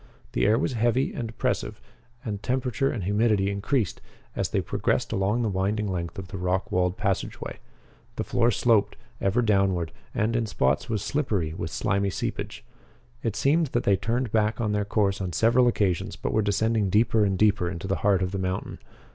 The air was heavy and oppressive and the temperature and humidity increased as they progressed along the winding length of the rock walled passageway. The floor sloped, ever downward and, in spots, was slippery with slimy seepage. It seemed that they turned back on their course on several occasions but were descending deeper and deeper into the heart of the mountain.